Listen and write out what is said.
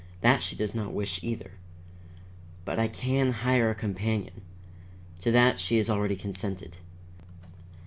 That she does not wish, either. But I can hire a companion. To that she has already consented.